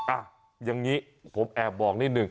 อ่ะอย่างนี้ผมแอบบอกนิดหนึ่ง